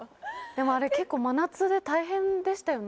でもあれ結構真夏で大変でしたよね？